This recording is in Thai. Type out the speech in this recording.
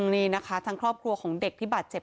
นี่นะคะทางครอบครัวของเด็กที่บาดเจ็บ